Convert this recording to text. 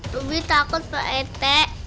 lebih takut pak rt